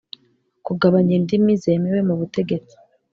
Kugabanya indimi zemewe mu butegetsi.